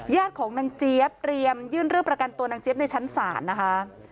ของนางเจี๊ยบเรียมยื่นเรื่องประกันตัวนางเจี๊ยบในชั้นศาลนะคะ